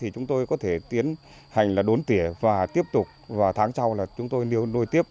chúng tôi có thể tiến hành đốn tỉa và tiếp tục và tháng sau là chúng tôi nuôi tiếp